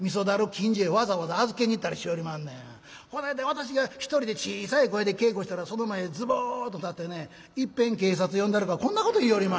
私が一人で小さい声で稽古したらその前にズドーンと立ってね『いっぺん警察呼んだろか』こんなこと言いよりまんねん。